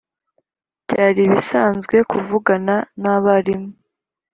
Byari ibisanzwe kuvugana n abarimu.